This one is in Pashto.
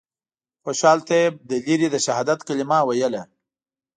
خوشحال طیب له لرې د شهادت کلمه ویله.